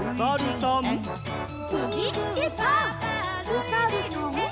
おさるさん。